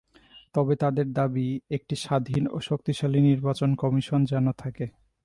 তবে তাঁদের দাবি একটি স্বাধীন ও শক্তিশালী নির্বাচন কমিশন যেন থাকে।